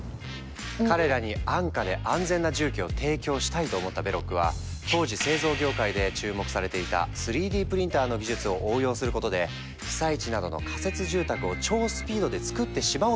彼らに安価で安全な住居を提供したいと思ったベロックは当時製造業界で注目されていた３Ｄプリンターの技術を応用することで被災地などの仮設住宅を超スピードでつくってしまおう！とひらめいた。